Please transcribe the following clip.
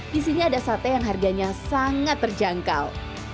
di sini ada sate yang harganya sangat terjangkau